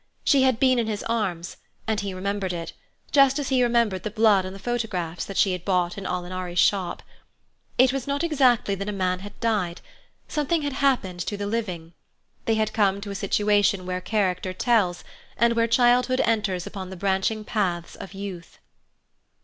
She had been in his arms, and he remembered it, just as he remembered the blood on the photographs that she had bought in Alinari's shop. It was not exactly that a man had died; something had happened to the living: they had come to a situation where character tells, and where childhood enters upon the branching paths of Youth.